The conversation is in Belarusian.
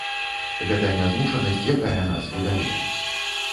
Гэта нязмушанасць, якая нас выдае.